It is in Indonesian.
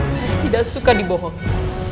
saya tidak suka dibohongi